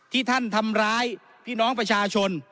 ที่ท่านทำร้ายพี่น้องประชาชน